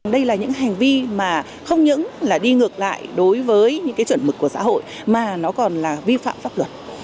đây là những hành vi mà không những là đi ngược lại đối với những cái chuẩn mực của xã hội mà nó còn là vi phạm pháp luật